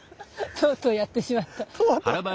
とうとうやってしまった。